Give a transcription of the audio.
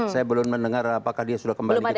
saya belum mendengar apakah dia sudah kembali ke kpk